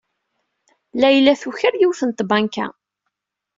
Layla tuker yiwet n tbanka.